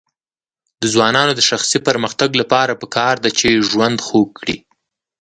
د ځوانانو د شخصي پرمختګ لپاره پکار ده چې ژوند خوږ کړي.